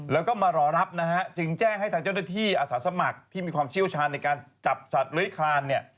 แล้วก็มารอรับนะฮะจึงแจ้งให้ทางเจ้าหน้าที่อาสาสมัครที่มีความเชี่ยวชาญในการจับสัตว์เลื้อยคลานเนี่ย